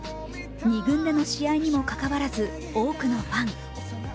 ２軍での試合にもかかわらず多くのファン。